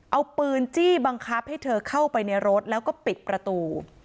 เอาปืนจี้บังคับให้เธอเข้าไปในรถแล้วก็ปิดประตู